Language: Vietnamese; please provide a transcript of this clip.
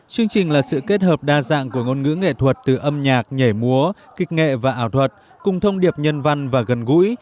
chương trình là sự kết hợp đa dạng của ngôn ngữ nghệ thuật từ âm nhạc nhảy múa kịch nghệ và ảo thuật cùng thông điệp nhân văn và gần gũi